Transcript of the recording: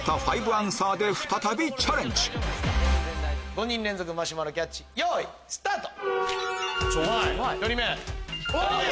５人連続マシュマロキャッチよいスタート！